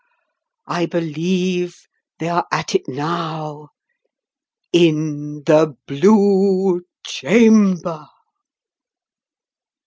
I believe they are at it now in the BLUE CHAMBER!"